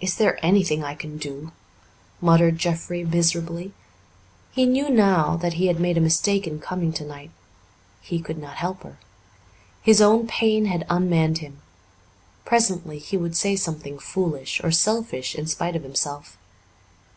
"Is there anything I can do?" muttered Jeffrey miserably. He knew now that he had made a mistake in coming tonight; he could not help her. His own pain had unmanned him. Presently he would say something foolish or selfish in spite of himself.